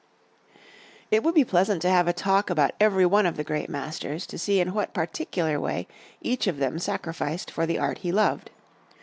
It would be pleasant to have a Talk about every one of the great masters to see in what particular way each of them sacrificed for the art he loved.